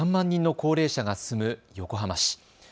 人の高齢者が住む横浜市。